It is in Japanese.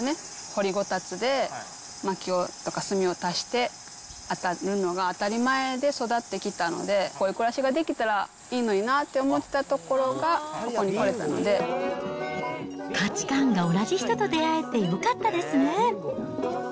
掘りごたつでまきとか炭を足してあたるのが当たり前で育ってきたので、こういう暮らしができたらいいのになって思ってたところがここに価値感が同じ人と出会えてよかったですね。